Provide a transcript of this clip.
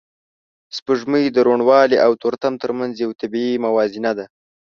سپوږمۍ د روڼوالی او تورتم تر منځ یو طبیعي موازنه ده